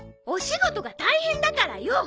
お仕事が大変だからよ！